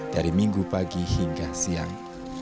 dari minggu pagi hingga siang